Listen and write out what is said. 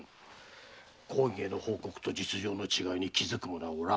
公儀への報告と実情の違いに気づく者はおらぬ。